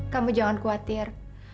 kamu jangan khawatir